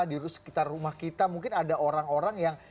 di sekitar rumah kita mungkin ada orang orang yang